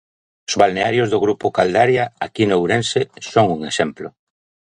Os balnearios do grupo Caldaria, aquí en Ourense, son un exemplo.